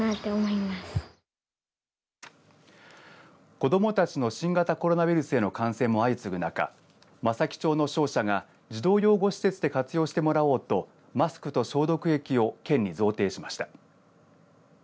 子どもたちの新型コロナウイルスへの感染も相次ぐ中松前町の商社が児童養護施設で活用してもらおうとマスクと消毒液を県に贈呈しました。